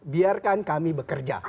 biarkan kami bekerja